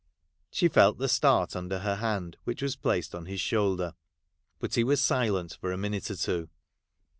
' She felt the start under her hand which was placed on his shoulder, but he was silent for a minute or two.